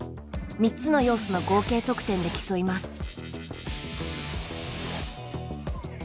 ３つの要素の合計得点で競います。